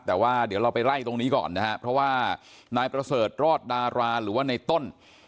แต่ว่าเดี๋ยวเราไปไล่ตรงนี้ก่อนนะครับเพราะว่านายประเสริฐรอดดาราหรือว่าในต้น